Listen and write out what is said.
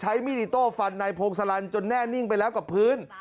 มีดอิโต้ฟันนายพงศลันจนแน่นิ่งไปแล้วกับพื้น